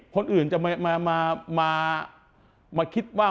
คนอื่นจะมาคิดว่า